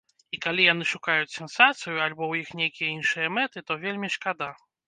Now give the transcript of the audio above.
І калі яны шукаюць сенсацыю, альбо ў іх нейкія іншыя мэты, то вельмі шкада.